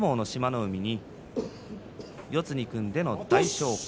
海に四つに組んでの大翔鵬。